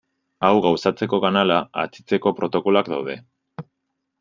Hau gauzatzeko kanala atzitzeko protokoloak daude.